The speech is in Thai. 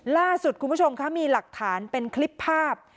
ล่าสุดคุณผู้ชมคะมีหลักฐานเป็นคลิปภาพ